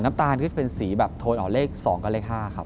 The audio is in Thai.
ตาลก็จะเป็นสีแบบโทนออกเลข๒กับเลข๕ครับ